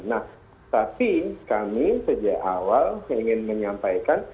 nah tapi kami sejak awal ingin menyampaikan